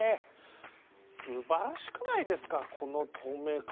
すばらしくないですかこの透明感！